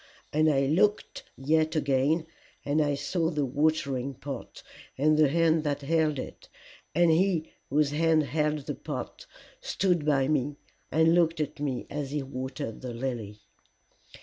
And I looked yet again, and I saw the watering pot, and the hand that held it; and he whose hand held the pot stood by me and looked at me as he watered the lily.